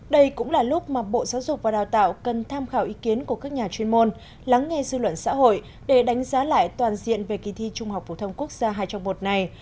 đây cũng là lúc mà bộ giáo dục và đào tạo cần tham khảo ý kiến của các nhà chuyên môn lắng nghe dư luận xã hội để đánh giá lại toàn diện về kỳ thi trung học phổ thông quốc gia hai trong một này